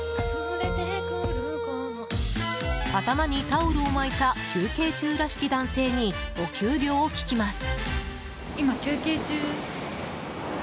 頭にタオルを巻いた休憩中らしき男性にお給料を聞きます。